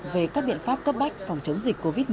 về các biện pháp cấp bách phòng chống dịch covid một mươi chín